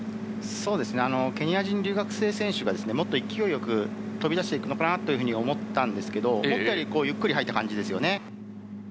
そうですね、ケニア人留学生選手が、もっと勢いよく飛び出していくのかなと思ったんですけれども、思ったよりゆっくり入った感じですよね。